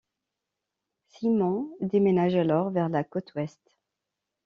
Simon déménage alors vers la côte ouest.